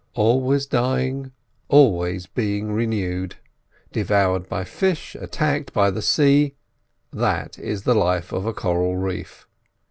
Always dying, always being renewed, devoured by fish, attacked by the sea—that is the life of a coral reef.